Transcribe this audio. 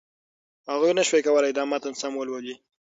هغوی نشي کولای دا متن سم ولولي.